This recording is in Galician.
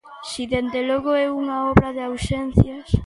Si, dende logo é unha obra de ausencias.